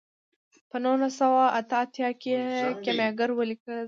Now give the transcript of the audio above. په نولس سوه اته اتیا کې یې کیمیاګر ولیکه.